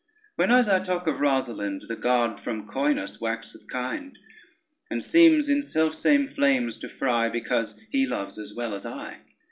Whenas I talk of Rosalynde The god from coyness waxeth kind, And seems in selfsame flames to fry Because he loves as well as I.